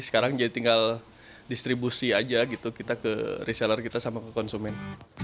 sekarang jadi tinggal distribusi aja gitu kita ke reseller kita sama ke konsumen